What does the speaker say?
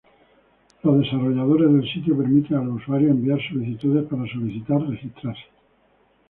Los desarrolladores del sitio permiten a los usuarios enviar solicitudes para solicitar registrarse.